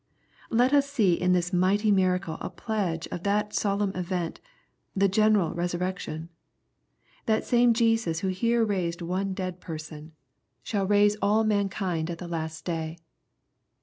Let us see in this mighty miracle a pledge of that lolemn event, the general resurrection. That same Jesus i^ho hero raised one dead person, shall raise all mankind LUKE, CHAP. VII. 211 at the last day.